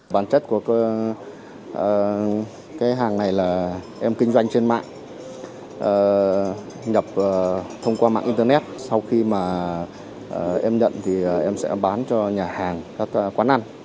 bản chất của hàng này là em kinh doanh trên mạng nhập thông qua mạng internet sau khi em nhận em sẽ bán cho nhà hàng các quán ăn